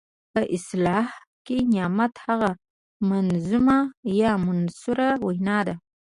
په اصطلاح کې نعت هغه منظومه یا منثوره وینا ده.